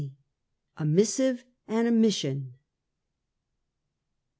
A MISSIVE AND A MISSION.